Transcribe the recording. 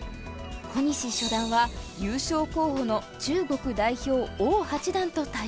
小西初段は優勝候補の中国代表王八段と対戦です。